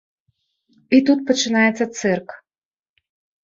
І тут пачынаецца цырк.